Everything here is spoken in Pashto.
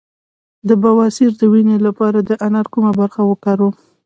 د بواسیر د وینې لپاره د انار کومه برخه وکاروم؟